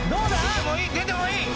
出てもいい出てもいい！